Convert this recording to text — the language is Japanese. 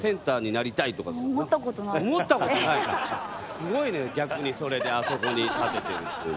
すごいね逆にそれであそこに立ててるっていう。